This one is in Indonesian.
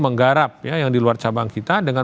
menggarap yang diluar cabang kita dengan